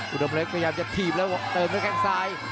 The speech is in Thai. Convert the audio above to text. อุดมเล็กพยายามจะถีบแล้วเติมด้วยแข้งซ้าย